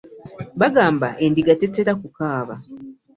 Bagamba endiga tetera kukaaba.